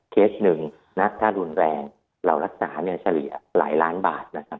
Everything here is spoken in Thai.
เวต๑มีต้นรุ้นแรงเนาะรักษาเนื้อเฉลี่ยหลายล้านบาทนะครับ